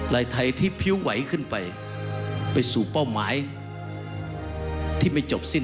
ลายไทยที่พิ้วไหวขึ้นไปไปสู่เป้าหมายที่ไม่จบสิ้น